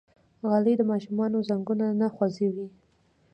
غالۍ د ماشومانو زنګونونه نه خوږوي.